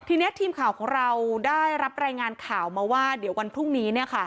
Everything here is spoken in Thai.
ทีนี้ทีมข่าวของเราได้รับรายงานข่าวมาว่าเดี๋ยววันพรุ่งนี้